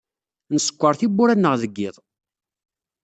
Nsekkeṛ tiwwura-nneɣ deg yiḍ.